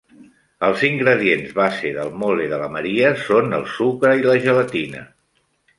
Els ingredients base del mole de la Maria són el sucre i la gelatina.